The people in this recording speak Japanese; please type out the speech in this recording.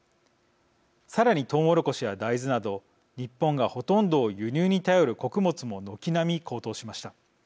さらにトウモロコシや大豆など日本がほとんどを輸入に頼る穀物も軒並み高騰しました。